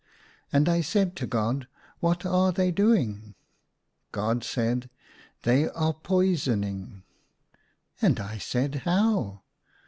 And I said to God, " What are they doing ?" God said, *' They are poisoning." And I said, " How